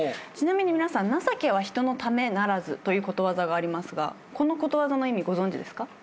ちなみに皆さん「情けは人のためならず」ということわざがありますがこのことわざの意味ご存じ？